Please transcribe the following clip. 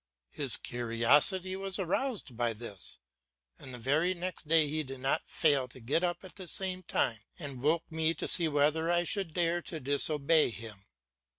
His curiosity was aroused by this, and the very next day he did not fail to get up at the same time and woke me to see whether I should dare to disobey him.